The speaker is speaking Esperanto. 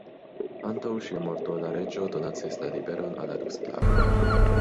Antaŭ sia morto, la reĝo donacis la liberon al la du sklavoj.